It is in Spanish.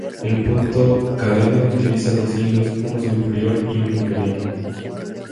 El punto cadena utiliza dos hilos, uno superior y uno inferior.